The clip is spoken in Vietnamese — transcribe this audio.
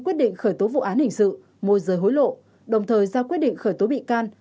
quyết định khởi tố vụ án hình sự môi rời hối lộ đồng thời ra quyết định khởi tố bị can